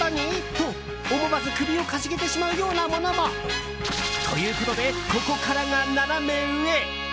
と思わず首をかしげてしまうようなものも。ということでここからがナナメ上！